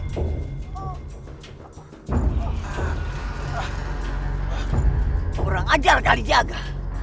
kurang ajar kalijaga